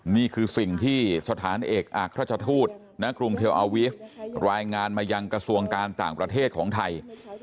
นี่คือสิ่งที่สถานเอกอักราชทูตณกรุงเทลอาวีฟรายงานมายังกระทรวงการต่างประเทศของไทย